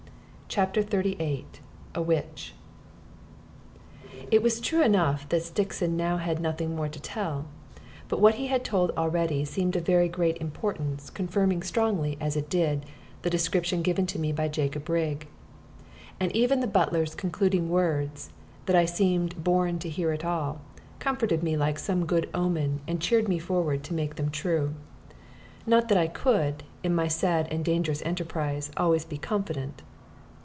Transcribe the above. CHAPTER XXXVIII A WITCH It was true enough that Stixon now had nothing more to tell, but what he had told already seemed of very great importance, confirming strongly, as it did, the description given me by Jacob Rigg. And even the butler's concluding words that I seemed born to hear it all comforted me like some good omen, and cheered me forward to make them true. Not that I could, in my sad and dangerous enterprise, always be confident.